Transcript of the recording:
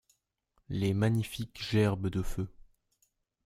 Les magnifiques gerbes de feu